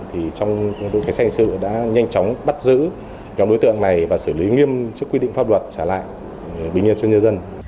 trong đối kết xác hình sự đã nhanh chóng bắt giữ nhóm đối tượng này và xử lý nghiêm trước quy định pháp luật trả lại bình yên cho nhân dân